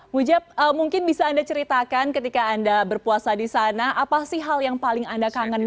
mujab mungkin bisa anda ceritakan ketika anda berpuasa di sana apa sih hal yang paling anda kangenin